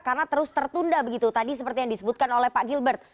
karena terus tertunda begitu tadi seperti yang disebutkan oleh pak gilbert